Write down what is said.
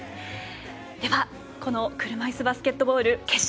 ではこの車いすバスケットボール決勝